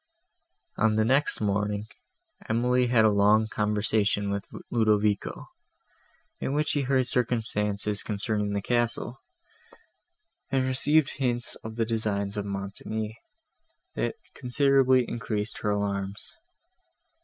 On the next morning, Emily had a long conversation with Ludovico, in which she heard circumstances concerning the castle, and received hints of the designs of Montoni, that considerably increased her alarms.